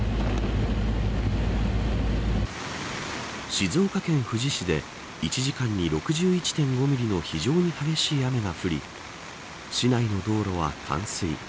静岡県富士市で１時間に６１．５ミリの非常に激しい雨が降り市内の道路は冠水。